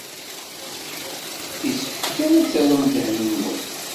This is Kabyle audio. Yessefk kan ad terrem ddehn-nwen.